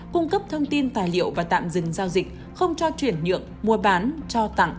cung cấp thông tin tài liệu và tạm dừng giao dịch không cho chuyển nhượng mua bán trao tặng